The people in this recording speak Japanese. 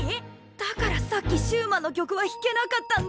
だからさっきシューマンの曲は弾けなかったんだ！